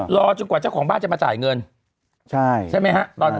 รอถึงกว่าของบ้านจะมาจ่ายเงินใช่ไหมฮะล่ะ